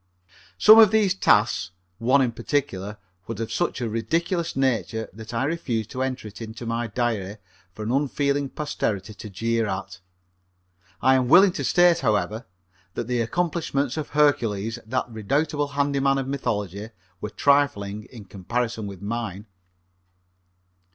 Some of these tasks, one in particular was of such a ridiculous nature that I refuse to enter it into my diary for an unfeeling posterity to jeer at. I am willing to state, however, that the accomplishments of Hercules, that redoubtable handy man of mythology, were trifling in comparison with mine.